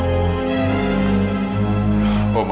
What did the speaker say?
aku akan terima